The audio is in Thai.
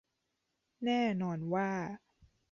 แน่นอนว่า